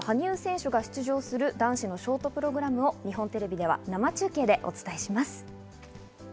羽生選手が出る男子フィギュア、ショートプログラムを日本テレビは生中継でお伝えします。